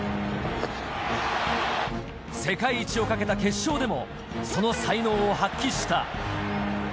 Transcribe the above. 世界一を懸けた決勝でもその才能を発揮した。